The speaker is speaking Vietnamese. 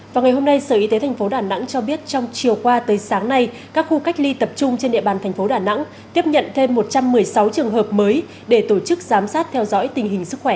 vào ngày hôm nay sở y tế tp đà nẵng cho biết trong chiều qua tới sáng nay các khu cách ly tập trung trên địa bàn thành phố đà nẵng tiếp nhận thêm một trăm một mươi sáu trường hợp mới để tổ chức giám sát theo dõi tình hình sức khỏe